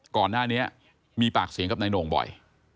ก่อนหน้านี้มีปากเสียงกับนายโหน่งบ่อย